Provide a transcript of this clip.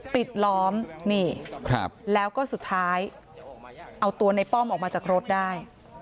ปิดล้อมนี่แล้วก็สุดท้ายเอาตัวในป้อมออกมาจากรถได้